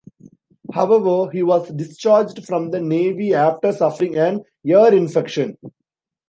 However he was discharged from the Navy after suffering an ear infection.